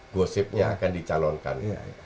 gosipnya akan dicalonkan